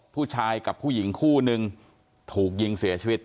ผู้ชายกับผู้หญิงคู่นึงถูกยิงเสียชีวิต